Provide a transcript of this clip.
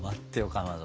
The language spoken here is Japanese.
かまど。